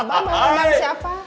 abah mau undang siapa